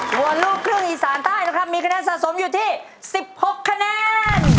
ส่วนลูกครึ่งอีสานใต้นะครับมีคะแนนสะสมอยู่ที่๑๖คะแนน